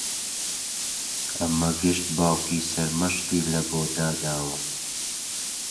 ئەمە گشت باوکی سەرمەشقی لەبۆ داداوە